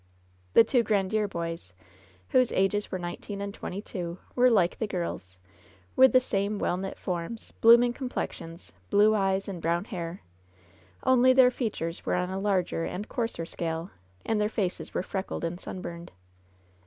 The two Grandiere boys, whose ages were nineteen and twenty two, were like the girls, with the same well knit forms, blooming complexions, blue eyes and brown hair — only their features were on a larger and coarser scale, and their faces were freckled and sunburned.